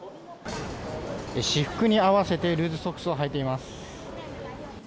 私服に合わせてルーズソックスをはいています。